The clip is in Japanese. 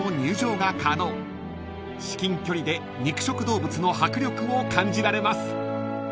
［至近距離で肉食動物の迫力を感じられます］